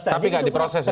tapi nggak diproses ya